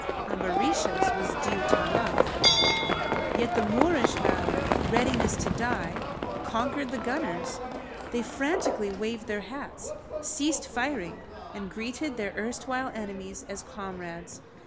Ambarisha's was due to love. Yet the Moorish valour, readiness to die, conquered the gunners. They frantically waved their hats, ceased firing, and greeted their erstwhile enemies as comrades.